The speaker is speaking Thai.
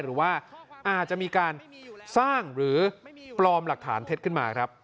หรือว่าอาจจะมีการสร้างหรือปลอมหลักฐานเท็จขึ้นมาครับ